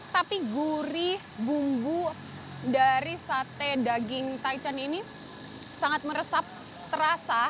tapi gurih bumbu dari sate daging taichan ini sangat meresap terasa